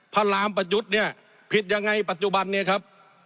พระรามประยุทธ์เนี่ยผิดยังไงปัจจุบันเนี่ยครับ